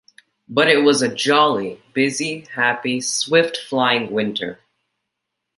But it was a jolly, busy, happy swift-flying winter.